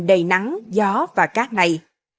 đầy nắng gió và cát này